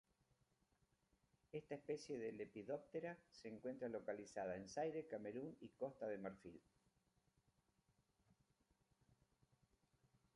Esta especie de Lepidoptera se encuentra localizada en Zaire, Camerún y Costa de Marfil.